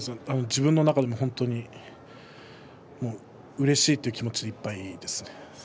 自分の中で本当にうれしい気持ちでいっぱいです。